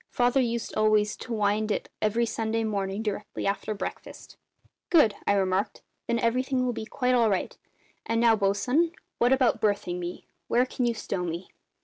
Father used always to wind it every Sunday morning directly after breakfast." "Good!" I remarked. "Then everything will be quite all right. And now, bosun, what about berthing me? Where can you stow me?"